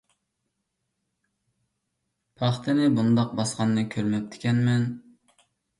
پاختىنى بۇنداق باسقاننى كۆرمەپتىكەنمەن.